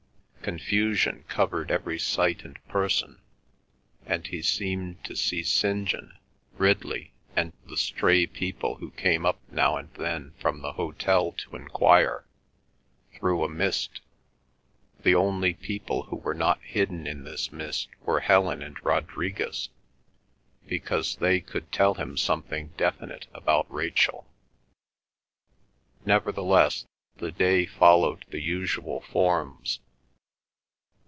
Confusion covered every sight and person, and he seemed to see St. John, Ridley, and the stray people who came up now and then from the hotel to enquire, through a mist; the only people who were not hidden in this mist were Helen and Rodriguez, because they could tell him something definite about Rachel. Nevertheless the day followed the usual forms.